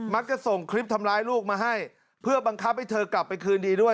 ส่งคลิปทำร้ายลูกมาให้เพื่อบังคับให้เธอกลับไปคืนดีด้วย